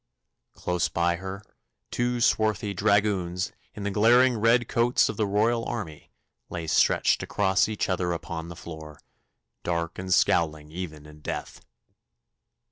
Close by her two swarthy dragoons in the glaring red coats of the Royal army lay stretched across each other upon the floor, dark and scowling even in death.